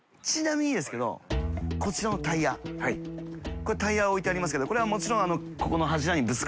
これタイヤ置いてありますけどこれはもちろん大石さん）